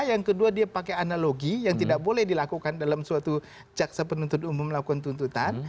yang kedua dia pakai analogi yang tidak boleh dilakukan dalam suatu jaksa penuntut umum melakukan tuntutan